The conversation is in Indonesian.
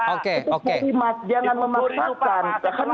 itu terima jangan memaksakan